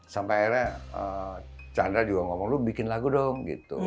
sampai akhirnya chandra juga ngomong lu bikin lagu dong gitu